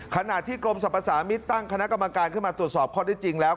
ขณะที่กรมสรรพสามิตรตั้งคณะกรรมการขึ้นมาตรวจสอบข้อได้จริงแล้ว